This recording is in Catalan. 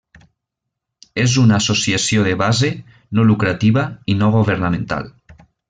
És una associació de base, no lucrativa i no governamental.